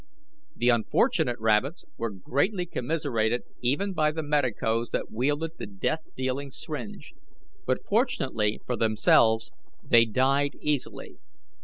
The unfortunate rabbits were greatly commiserated even by the medicos that wielded the death dealing syringe; but, fortunately for themselves, they died easily.